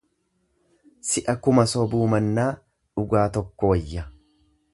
Si'a kuma sobuu mannaa, dhugaa tokko wayya.